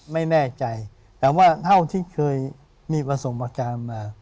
ไม่แน่ใจแต่ว่าเท่าที่เคยมีประสบการณ์มา